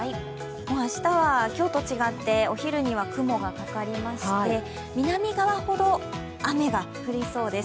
明日は今日と違ってお昼には雲がかかりまして南側ほど雨が降りそうです。